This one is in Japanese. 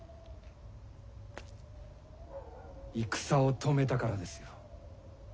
戦を止めたからですよ。